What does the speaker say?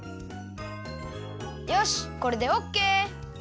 よしこれでオッケー！